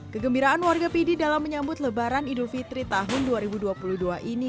kegembiraan warga pidi dalam menyambut lebaran idul fitri tahun dua ribu dua puluh dua ini